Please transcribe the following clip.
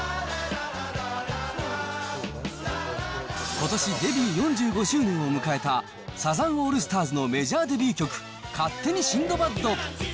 ことしデビュー４５周年を迎えたサザンオールスターズのメジャーデビュー曲、勝手にシンドバッド。